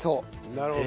なるほど。